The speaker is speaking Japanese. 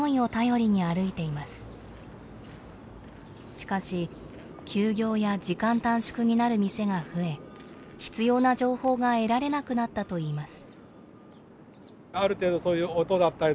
しかし休業や時間短縮になる店が増え必要な情報が得られなくなったといいます。